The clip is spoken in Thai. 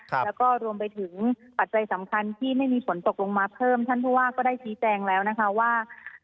แล้วก็รวมไปถึงปัจจัยสำคัญที่ไม่มีฝนตกลงมาเพิ่มท่านผู้ว่าก็ได้ชี้แจงแล้วนะคะว่า